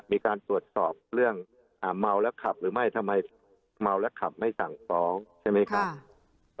มีการตรวจสอบเรื่องเมาแล้วขับหรือไม่ทำไมเมาแล้วขับไม่สั่งฟ้องใช่ไหมครับ